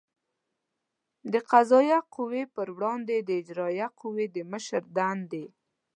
د قضایه قوې پر وړاندې د اجرایه قوې د مشر دندې